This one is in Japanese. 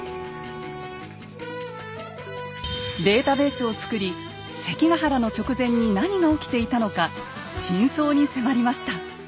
データベースを作り関ヶ原の直前に何が起きていたのか真相に迫りました。